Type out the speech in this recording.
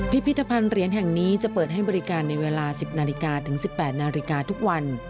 พิพิธภัณฑ์เหรียญแห่งนี้จะเปิดให้บริการในเวลา๑๐นาฬิกาถึง๑๘นาฬิกาทุกวัน